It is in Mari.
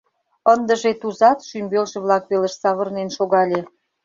Ындыже Тузат шӱмбелже-влак велыш савырнен шогале.